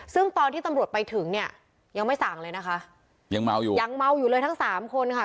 ซึ่งตอนที่ตำรวจไปถึงเนี่ยยังไม่สั่งเลยนะคะยังเมาอยู่ยังเมาอยู่เลยทั้งสามคนค่ะ